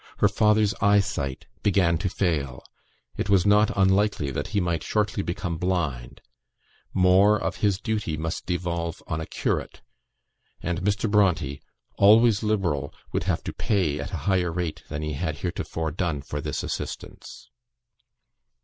Her father's eyesight began to fail; it was not unlikely that he might shortly become blind; more of his duty must devolve on a curate, and Mr. Bronte, always liberal, would have to pay at a higher rate than he had heretofore done for this assistance.